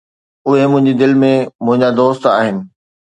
اهي منهنجي دل ۾ منهنجا دوست آهن